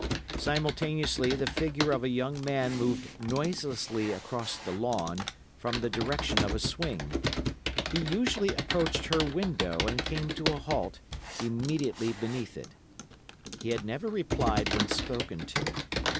Simultaneously the figure of a young man moved noiselessly across the lawn, from the direction of a swing. He usually approached her window and came to a halt immediately beneath it. He had never replied when spoken to.